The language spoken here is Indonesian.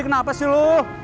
kenapa sih lu